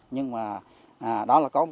nhưng mà đó là công ty này